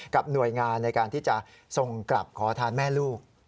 หน่วยงานในการที่จะส่งกลับขอทานแม่ลูก